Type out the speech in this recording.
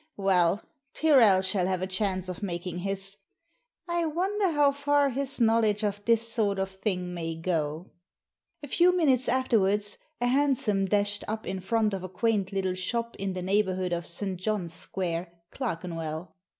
Well, Tyrrel shall have a chance of making his. I wonder how far his knowledge of this sort of thing may go ?" A few minutes afterwards a hansom dashed up in front of a quaint little shop in the neighbourhood of St John's Square, Clerkenwell.